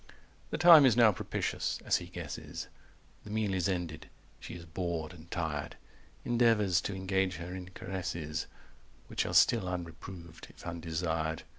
The time is now propitious, as he guesses, 235 The meal is ended, she is bored and tired, Endeavours to engage her in caresses Which still are unreproved, if undesired.